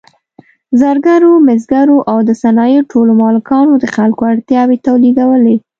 زرګرو، مسګرو او د صنایعو ټولو مالکانو د خلکو اړتیاوې تولیدولې.